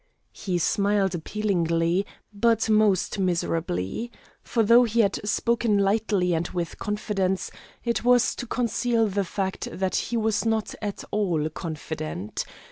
He smiled appealingly, but most miserably. For though he had spoken lightly and with confidence, it was to conceal the fact that he was not at all confident.